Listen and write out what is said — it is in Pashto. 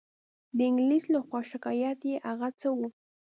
د انګلیس له خوا شکایت یې هغه څه وو.